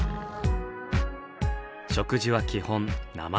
食事は基本生肉。